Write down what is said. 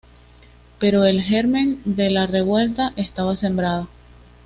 Pero el germen de la revuelta estaba sembrado.